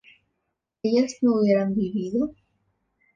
¿ellas no hubieran vivido?